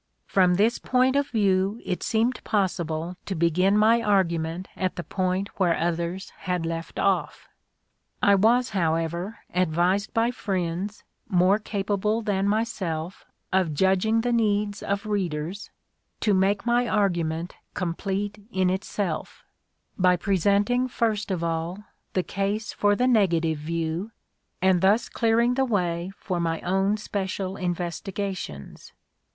From this point of view it seemed possible to begin my argument at the point where others had left off. I was, however, advised by friends, more capable than myself of judging the needs of readers, to make my argument complete in itself, by presenting first of all the case for the negative view, and thus clearing the way for my own special investigations.